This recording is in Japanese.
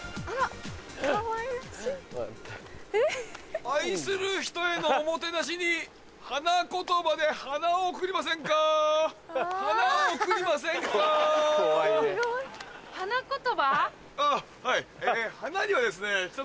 あぁはい。